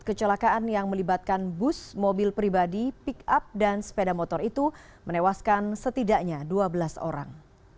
kecelakaan yang melibatkan bus mobil pribadi pick up dan sepeda motor itu menewaskan setidaknya dua belas orang